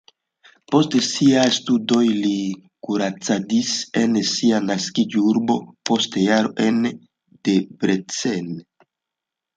Post siaj studoj li kuracadis en sia naskiĝurbo, post jaro en Debrecen.